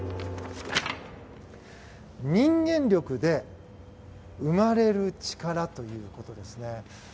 人間力で生まれる力ということですね。